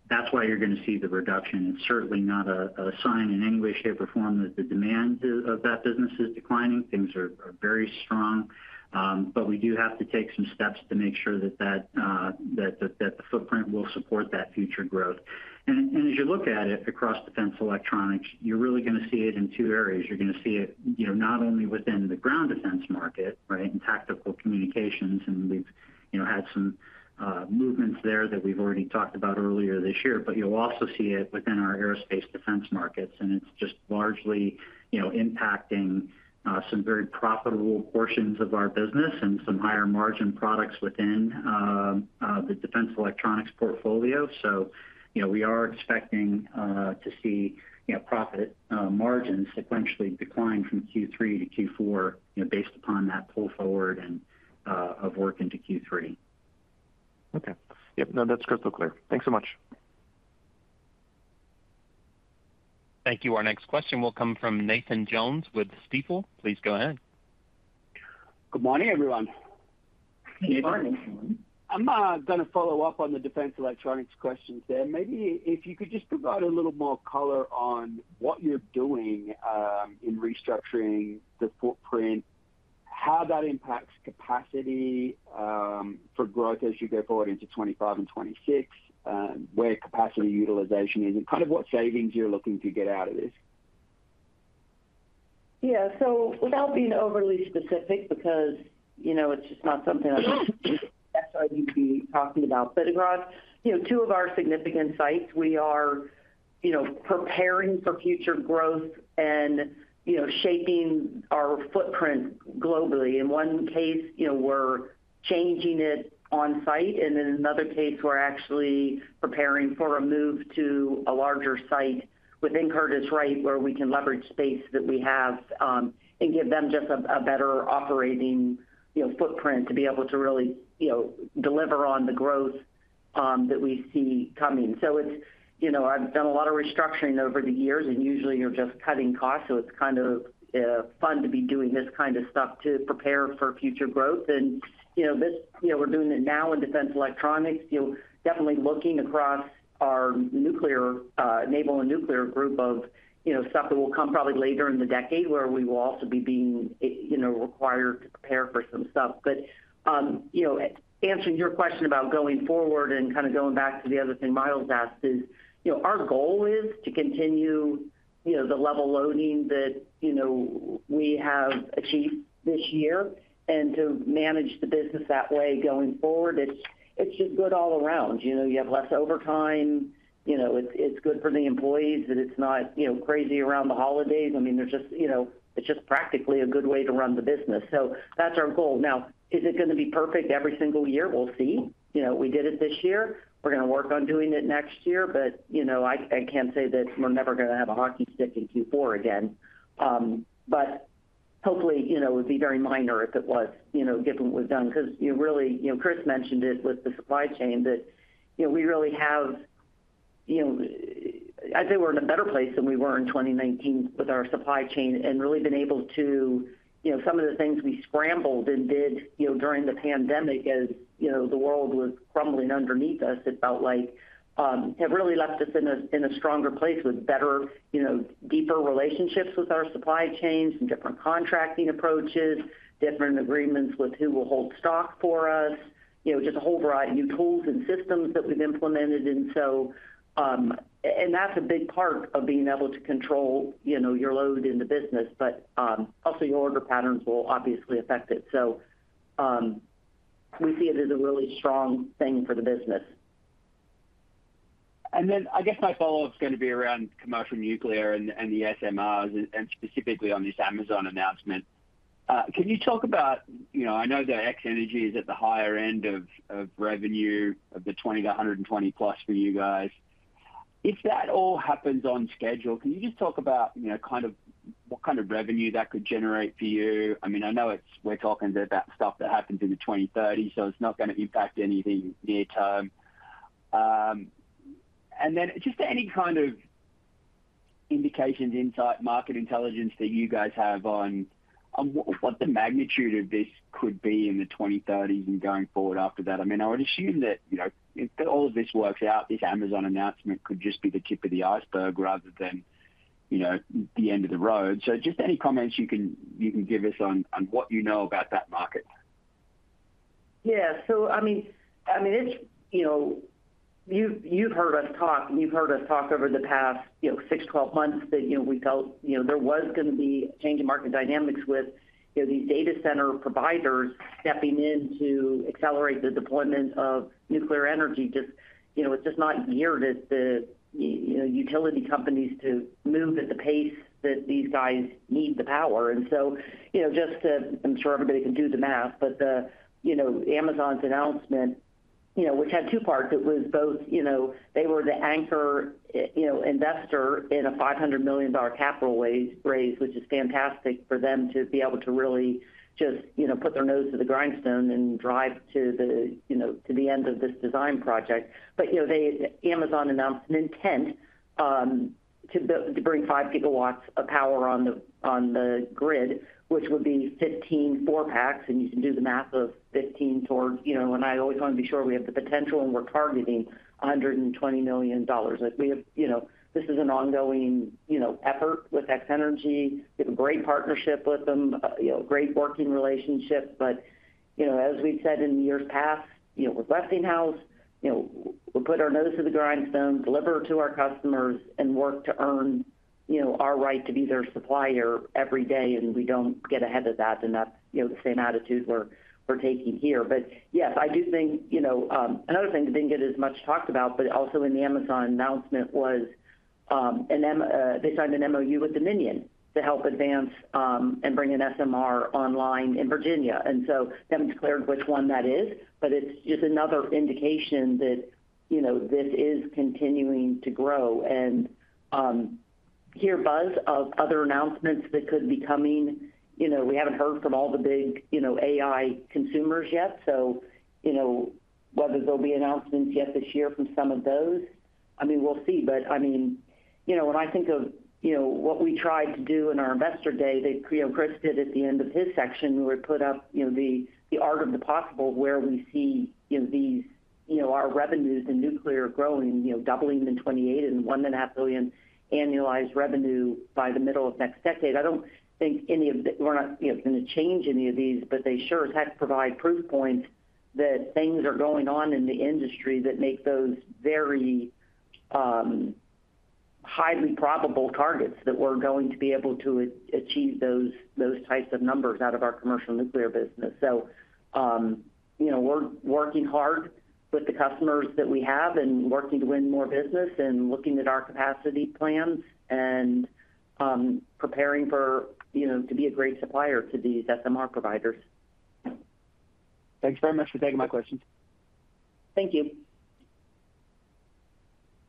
that's why you're going to see the reduction. It's certainly not a sign in any way here that the performance of that business is declining. Things are very strong. But we do have to take some steps to make sure that the footprint will support that future growth. And as you look at it across defense electronics, you're really going to see it in two areas. You're going to see it not only within the ground defense market, right, and tactical communications. And we've had some movements there that we've already talked about earlier this year. But you'll also see it within our aerospace defense markets. And it's just largely impacting some very profitable portions of our business and some higher margin products within the defense electronics portfolio. So we are expecting to see profit margins sequentially decline from Q3 to Q4 based upon that pull forward and of work into Q3. Okay. Yep. No, that's crystal clear. Thanks so much. Thank you. Our next question will come from Nathan Jones with Stifel. Please go ahead. Good morning, everyone. Good morning. I'm going to follow up on the defense electronics questions there. Maybe if you could just provide a little more color on what you're doing in restructuring the footprint, how that impacts capacity for growth as you go forward into 2025 and 2026, where capacity utilization is, and kind of what savings you're looking to get out of this. Yeah. So without being overly specific because it's just not something I'm excited to be talking about. But across two of our significant sites, we are preparing for future growth and shaping our footprint globally. In one case, we're changing it on site. In another case, we're actually preparing for a move to a larger site within Curtiss-Wright where we can leverage space that we have and give them just a better operating footprint to be able to really deliver on the growth that we see coming. I've done a lot of restructuring over the years. Usually, you're just cutting costs. It's kind of fun to be doing this kind of stuff to prepare for future growth. And we're doing it now in defense electronics, definitely looking across our naval and nuclear group of stuff that will come probably later in the decade where we will also be being required to prepare for some stuff. But answering your question about going forward and kind of going back to the other thing Myles asked is our goal is to continue the level loading that we have achieved this year and to manage the business that way going forward. It's just good all around. You have less overtime. It's good for the employees that it's not crazy around the holidays. I mean, it's just practically a good way to run the business. So that's our goal. Now, is it going to be perfect every single year? We'll see. We did it this year. We're going to work on doing it next year. But I can't say that we're never going to have a hockey stick in Q4 again. But hopefully, it would be very minor if it was, given what we've done. Because really, Chris mentioned it with the supply chain that we really have. I'd say we're in a better place than we were in 2019 with our supply chain and really been able to some of the things we scrambled and did during the pandemic as the world was crumbling underneath us, it felt like, have really left us in a stronger place with better, deeper relationships with our supply chains and different contracting approaches, different agreements with who will hold stock for us, just a whole variety of new tools and systems that we've implemented. And that's a big part of being able to control your load in the business. But also your order patterns will obviously affect it. So we see it as a really strong thing for the business. And then I guess my follow-up is going to be around commercial nuclear and the SMRs and specifically on this Amazon announcement. Can you talk about? I know that X-Energy is at the higher end of revenue of the 20 to 120 plus for you guys. If that all happens on schedule, can you just talk about kind of what kind of revenue that could generate for you? I mean, I know we're talking about stuff that happens in the 2030s. So it's not going to impact anything near term. And then just any kind of indications, insight, market intelligence that you guys have on what the magnitude of this could be in the 2030s and going forward after that. I mean, I would assume that if all of this works out, this Amazon announcement could just be the tip of the iceberg rather than the end of the road. So just any comments you can give us on what you know about that market. Yeah. So I mean, you've heard us talk, and you've heard us talk over the past six, 12 months that we felt there was going to be a change in market dynamics with these data center providers stepping in to accelerate the deployment of nuclear energy. It's just not geared to utility companies to move at the pace that these guys need the power. And so just to, I'm sure everybody can do the math. But Amazon's announcement, which had two parts, it was both they were the anchor investor in a $500 million capital raise, which is fantastic for them to be able to really just put their nose to the grindstone and drive to the end of this design project. But Amazon announced an intent to bring 5GW of power on the grid, which would be 15 four-packs. And you can do the math of 15% toward, and I always want to be sure we have the potential and we're targeting $120 million. This is an ongoing effort with X-Energy. We have a great partnership with them, a great working relationship. But as we've said in years past, we're left in-house. We put our nose to the grindstone, deliver to our customers, and work to earn our right to be their supplier every day. And we don't get ahead of that. And that's the same attitude we're taking here. But yes, I do think another thing that didn't get as much talked about, but also in the Amazon announcement was they signed an MoU with Dominion to help advance and bring an SMR online in Virginia. And so they haven't declared which one that is. But it's just another indication that this is continuing to grow. Hear the buzz of other announcements that could be coming. We haven't heard from all the big AI consumers yet. So whether there'll be announcements yet this year from some of those, I mean, we'll see. But I mean, when I think of what we tried to do in our investor day, Chris did at the end of his section, where we put up the art of the possible where we see our revenues in nuclear growing, doubling in 2028 and $1.5 billion annualized revenue by the middle of next decade. I don't think any of that. We're not going to change any of these. But they sure as heck provide proof points that things are going on in the industry that make those very highly probable targets that we're going to be able to achieve those types of numbers out of our commercial nuclear business. So we're working hard with the customers that we have and working to win more business and looking at our capacity plans and preparing to be a great supplier to these SMR providers. Thanks very much for taking my questions. Thank you.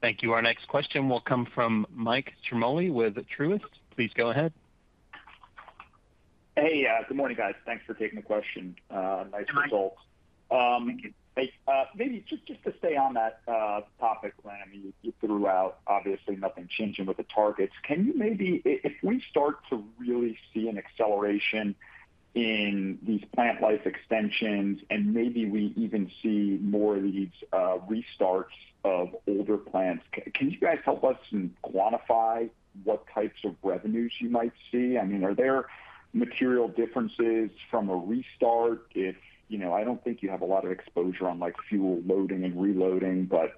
Thank you. Our next question will come from Mike Ciarmoli with Truist. Please go ahead. Hey, good morning, guys. Thanks for taking the question. Nice results. Thank you. Thank you. Maybe just to stay on that topic, Lynn, I mean, you threw out obviously nothing changing with the targets. Can you maybe if we start to really see an acceleration in these plant life extensions and maybe we even see more of these restarts of older plants, can you guys help us and quantify what types of revenues you might see? I mean, are there material differences from a restart? I don't think you have a lot of exposure on fuel loading and reloading. But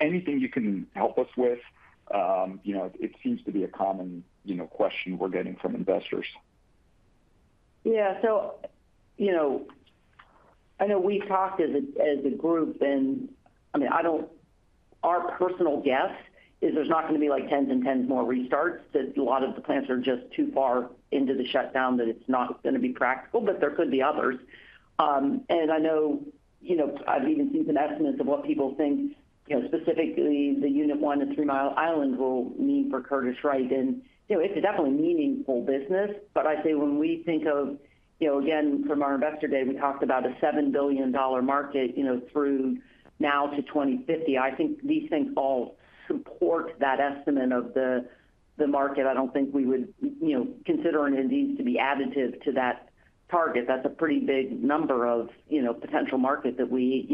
anything you can help us with? It seems to be a common question we're getting from investors. Yeah. So I know we talked as a group. And I mean, our personal guess is there's not going to be like tens and tens more restarts because a lot of the plants are just too far into the shutdown that it's not going to be practical. But there could be others. And I know I've even seen some estimates of what people think specifically the Unit 1 at Three Mile Island will mean for Curtiss-Wright. And it's definitely meaningful business. But I say when we think of again, from our Investor Day, we talked about a $7 billion market through now to 2050. I think these things all support that estimate of the market. I don't think we would consider any of these to be additive to that target. That's a pretty big number of potential market that we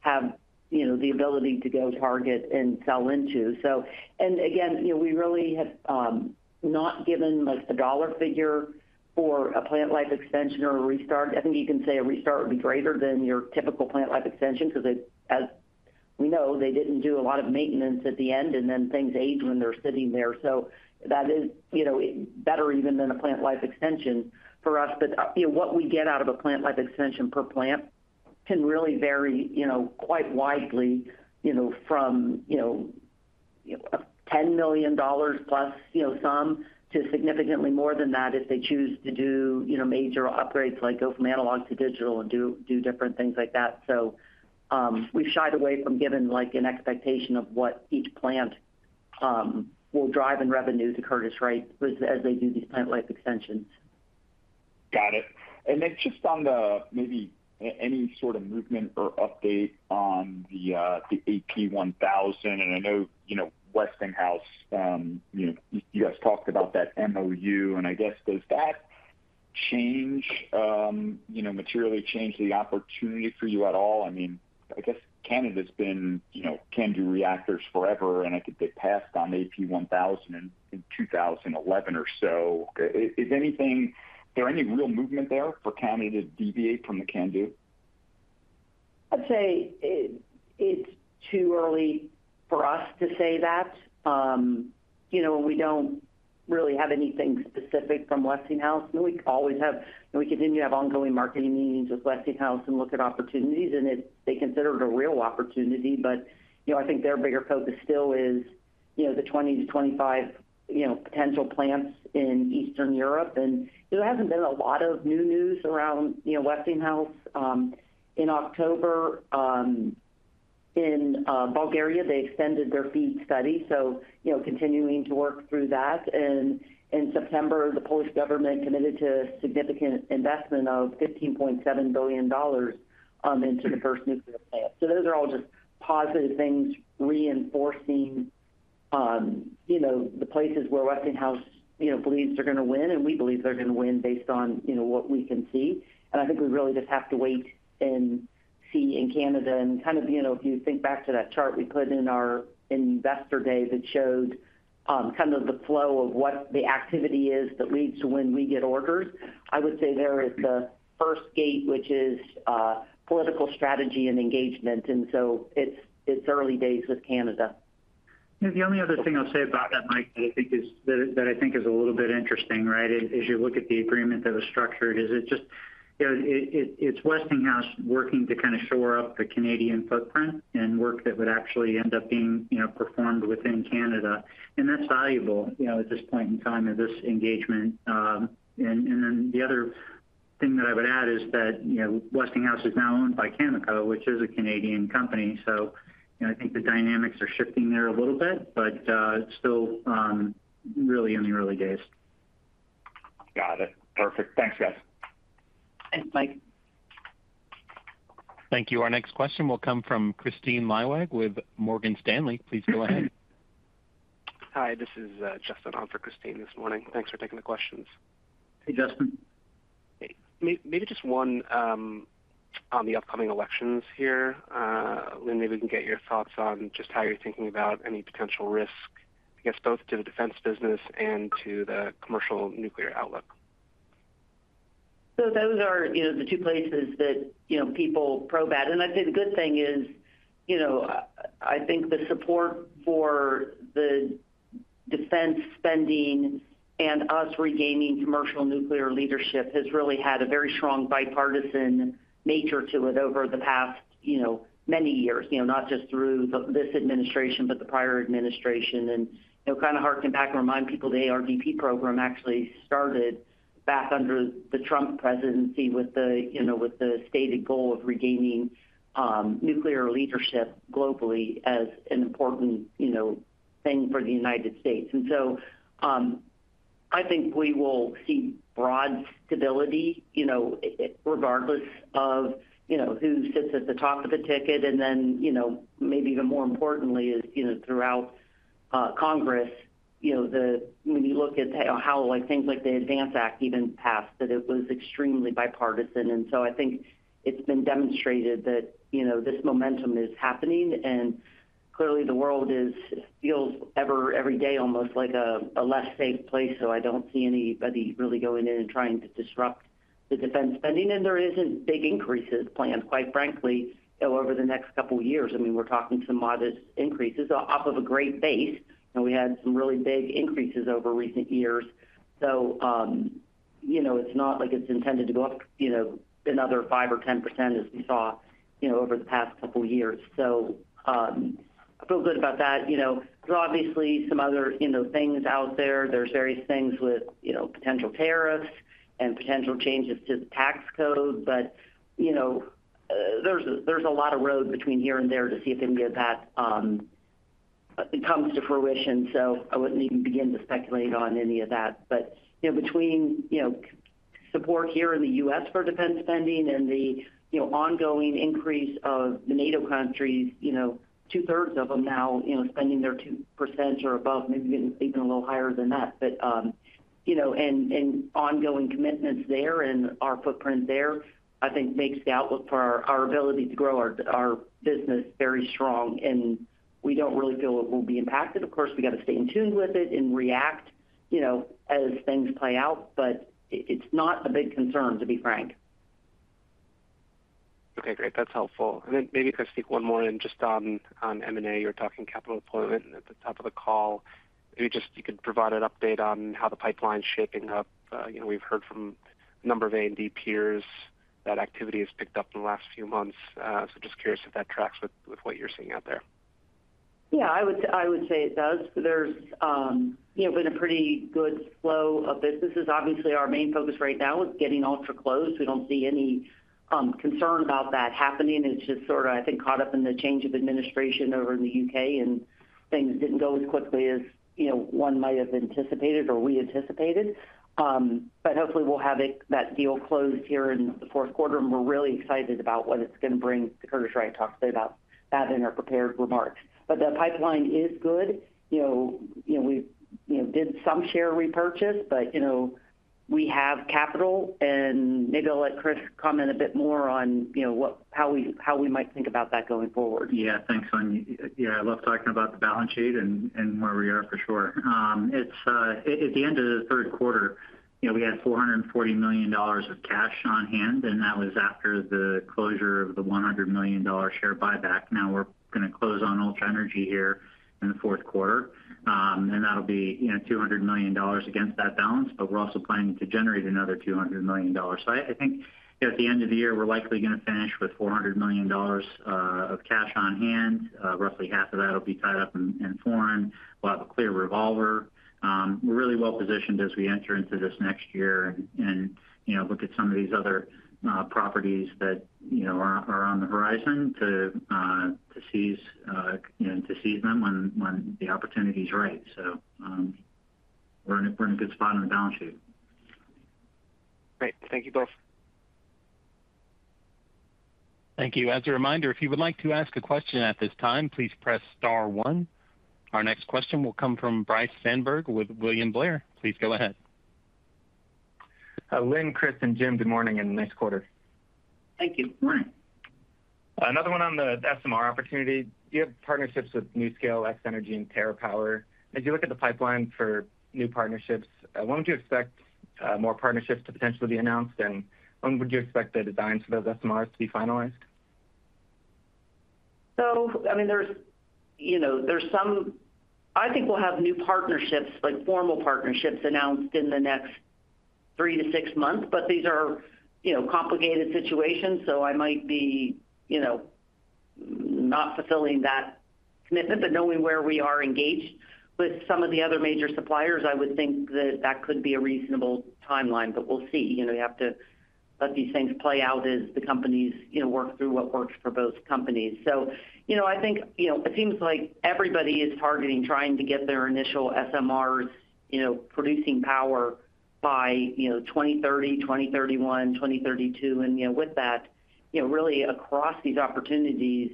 have the ability to go target and sell into. And again, we really have not given the dollar figure for a plant life extension or a restart. I think you can say a restart would be greater than your typical plant life extension because, as we know, they didn't do a lot of maintenance at the end. And then things age when they're sitting there. So that is better even than a plant life extension for us. But what we get out of a plant life extension per plant can really vary quite widely from $10 million plus some to significantly more than that if they choose to do major upgrades like go from analog to digital and do different things like that. So we've shied away from giving an expectation of what each plant will drive in revenue to Curtiss-Wright as they do these plant life extensions. Got it. And then, just on the, maybe any sort of movement or update on the AP1000. And I know Westinghouse, you guys talked about that MoU. And I guess, does that change, materially change the opportunity for you at all? I mean, I guess Canada's been CANDU reactors forever. And I think they passed on AP1000 in 2011 or so. Is there any real movement there for Canada to deviate from the CANDU? I'd say it's too early for us to say that. We don't really have anything specific from Westinghouse, and we always have and we continue to have ongoing marketing meetings with Westinghouse and look at opportunities, and they consider it a real opportunity, but I think their bigger focus still is the 20-25 potential plants in Eastern Europe, and there hasn't been a lot of new news around Westinghouse. In October, in Bulgaria, they extended their FEED study, so continuing to work through that, and in September, the Polish government committed to a significant investment of $15.7 billion into the first nuclear plant, so those are all just positive things reinforcing the places where Westinghouse believes they're going to win, and we believe they're going to win based on what we can see, and I think we really just have to wait and see in Canada. And kind of if you think back to that chart we put in our Investor Day that showed kind of the flow of what the activity is that leads to when we get orders, I would say there is the first gate, which is political strategy and engagement. And so it's early days with Canada. The only other thing I'll say about that, Mike, that I think is a little bit interesting, right, is you look at the agreement that was structured, is it just it's Westinghouse working to kind of shore up the Canadian footprint and work that would actually end up being performed within Canada, and that's valuable at this point in time of this engagement, and then the other thing that I would add is that Westinghouse is now owned by Cameco, which is a Canadian company, so I think the dynamics are shifting there a little bit, but still really in the early days. Got it. Perfect. Thanks, guys. Thanks, Mike. Thank you. Our next question will come from Kristine Liwag with Morgan Stanley. Please go ahead. Hi. This is Justin on for Kristine this morning. Thanks for taking the questions. Hey, Justin. Hey. Maybe just one on the upcoming elections here. Lynn, maybe we can get your thoughts on just how you're thinking about any potential risk, I guess, both to the defense business and to the commercial nuclear outlook. So those are the two places that people probe at. And I think the good thing is I think the support for the defense spending and U.S. regaining commercial nuclear leadership has really had a very strong bipartisan nature to it over the past many years, not just through this administration but the prior administration. And kind of harking back and reminding people, the ARDP program actually started back under the Trump presidency with the stated goal of regaining nuclear leadership globally as an important thing for the United States. And so I think we will see broad stability regardless of who sits at the top of the ticket. And then maybe even more importantly is throughout Congress, when you look at how things like the ADVANCE Act even passed, that it was extremely bipartisan. And so I think it's been demonstrated that this momentum is happening. And clearly, the world feels every day almost like a less safe place. So I don't see anybody really going in and trying to disrupt the defense spending. And there aren't big increases planned, quite frankly, over the next couple of years. I mean, we're talking some modest increases off of a great base. We had some really big increases over recent years. So it's not like it's intended to go up another five or 10% as we saw over the past couple of years. So I feel good about that. There's obviously some other things out there. There's various things with potential tariffs and potential changes to the tax code. But there's a lot of road between here and there to see if any of that comes to fruition. So I wouldn't even begin to speculate on any of that. But between support here in the U.S. for defense spending and the ongoing increase of the NATO countries, two-thirds of them now spending their 2% or above, maybe even a little higher than that. But in ongoing commitments there and our footprint there, I think makes the outlook for our ability to grow our business very strong. And we don't really feel it will be impacted. Of course, we got to stay in tune with it and react as things play out. But it's not a big concern, to be frank. Okay. Great. That's helpful. And then maybe I can speak one more. And just on M&A, you were talking capital deployment at the top of the call. Maybe just you could provide an update on how the pipeline's shaping up. We've heard from a number of A&D peers that activity has picked up in the last few months. So just curious if that tracks with what you're seeing out there. Yeah. I would say it does. There's been a pretty good flow of businesses. Obviously, our main focus right now is getting Ultra closed. We don't see any concern about that happening. It's just sort of, I think, caught up in the change of administration over in the U.K. And things didn't go as quickly as one might have anticipated or we anticipated. But hopefully, we'll have that deal closed here in the Q4. And we're really excited about what it's going to bring to Curtiss-Wright. I talked today about that in our prepared remarks. But the pipeline is good. We did some share repurchase. But we have capital. And maybe I'll let Chris comment a bit more on how we might think about that going forward. Yeah. Thanks, Lynn. Yeah. I love talking about the balance sheet and where we are for sure. At the end of the Q3, we had $440 million of cash on hand. And that was after the closure of the $100 million share buyback. Now we're going to close on Ultra Energy here in the Q4. And that'll be $200 million against that balance. But we're also planning to generate another $200 million. So I think at the end of the year, we're likely going to finish with $400 million of cash on hand. Roughly half of that will be tied up in foreign. We'll have a clear revolver. We're really well positioned as we enter into this next year and look at some of these other properties that are on the horizon to seize them when the opportunity is right. So we're in a good spot on the balance sheet. Great. Thank you both. Thank you. As a reminder, if you would like to ask a question at this time, please press star one. Our next question will come from Bryce Sandberg with William Blair. Please go ahead. Lynn, Chris, and Jim, good morning and nice quarter. Thank you. Morning. Another one on the SMR opportunity. You have partnerships with NuScale, X-Energy, and TerraPower. As you look at the pipeline for new partnerships, when would you expect more partnerships to potentially be announced? And when would you expect the designs for those SMRs to be finalized? So I mean, there's some I think we'll have new partnerships, like formal partnerships, announced in the next three to six months. But these are complicated situations. So I might be not fulfilling that commitment. But knowing where we are engaged with some of the other major suppliers, I would think that that could be a reasonable timeline. But we'll see. We have to let these things play out as the companies work through what works for both companies. So I think it seems like everybody is targeting trying to get their initial SMRs producing power by 2030, 2031, 2032. And with that, really across these opportunities,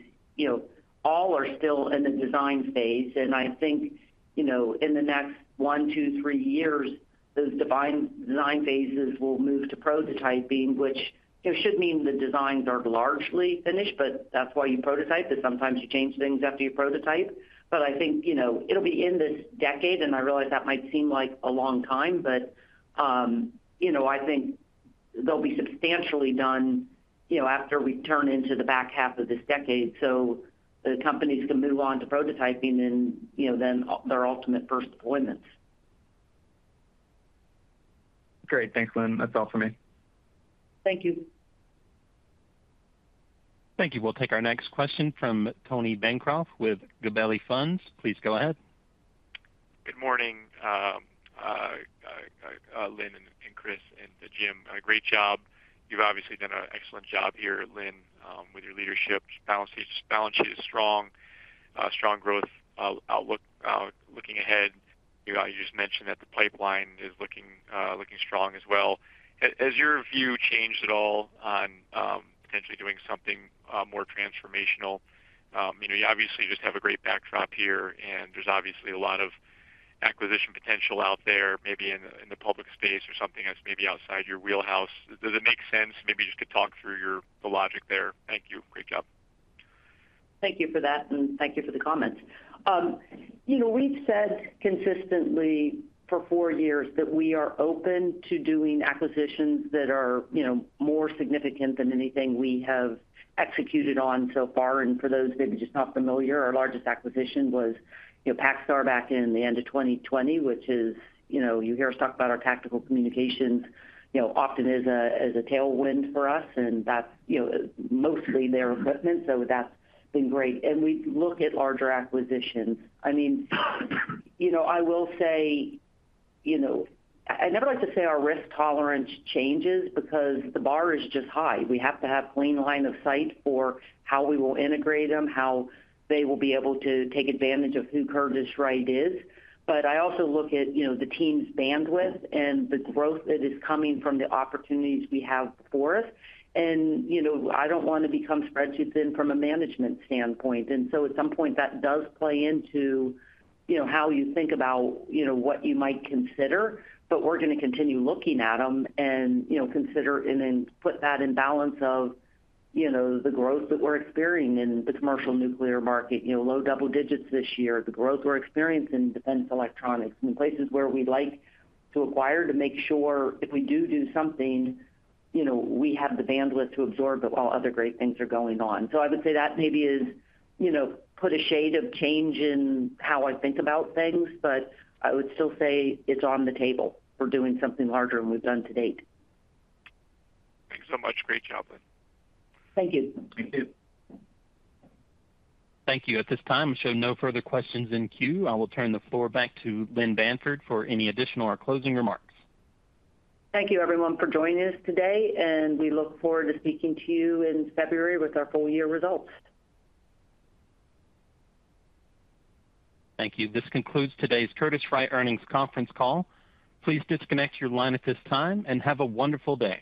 all are still in the design phase. And I think in the next one, two, three years, those design phases will move to prototyping, which should mean the designs are largely finished. But that's why you prototype. But sometimes you change things after you prototype. But I think it'll be in this decade. And I realize that might seem like a long time. But I think they'll be substantially done after we turn into the back half of this decade. So the companies can move on to prototyping and then their ultimate first deployments. Great. Thanks, Lynn. That's all for me. Thank you. Thank you. We'll take our next question from Tony Bancroft with Gabelli Funds. Please go ahead. Good morning, Lynn and Chris and Jim. Great job. You've obviously done an excellent job here, Lynn, with your leadership. Balance sheet is strong, strong growth outlook looking ahead. You just mentioned that the pipeline is looking strong as well. Has your view changed at all on potentially doing something more transformational? You obviously just have a great backdrop here. And there's obviously a lot of acquisition potential out there, maybe in the public space or something that's maybe outside your wheelhouse. Does it make sense? Maybe you just could talk through the logic there. Thank you. Great job. Thank you for that. And thank you for the comments. We've said consistently for four years that we are open to doing acquisitions that are more significant than anything we have executed on so far. And for those maybe just not familiar, our largest acquisition was PacStar back in the end of 2020, which is you hear us talk about our tactical communications often as a tailwind for us. And that's mostly their equipment. So that's been great. And we look at larger acquisitions. I mean, I will say I never like to say our risk tolerance changes because the bar is just high. We have to have clean line of sight for how we will integrate them, how they will be able to take advantage of who Curtiss-Wright is. But I also look at the team's bandwidth and the growth that is coming from the opportunities we have before us. And I don't want to become spread too thin from a management standpoint. And so at some point, that does play into how you think about what you might consider. But we're going to continue looking at them and consider and then put that in balance with the growth that we're experiencing in the commercial nuclear market, low double digits this year, the growth we're experiencing in defense electronics, and places where we'd like to acquire to make sure if we do do something, we have the bandwidth to absorb it while other great things are going on. So I would say that maybe puts a shade of change in how I think about things. But I would still say it's on the table for doing something larger than we've done to date. Thanks so much. Great job, Lynn. Thank you. Thank you. Thank you. At this time, we show no further questions in queue. I will turn the floor back to Lynn Bamford for any additional or closing remarks. Thank you, everyone, for joining us today, and we look forward to speaking to you in February with our full-year results. Thank you. This concludes today's Curtiss-Wright Earnings Conference Call. Please disconnect your line at this time and have a wonderful day.